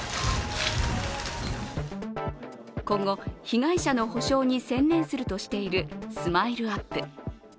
今後、被害者の補償に専念するとしているＳＭＩＬＥ−ＵＰ．。